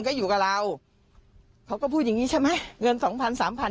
ก็อยู่กับเราเขาก็พูดอย่างงี้ใช่ไหมเงินสองพันสามพัน